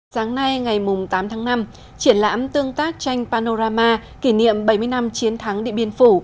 sáng nay ngày tám tháng năm triển lãm tương tác tranh panorama kỷ niệm bảy mươi năm chiến thắng địa biên phủ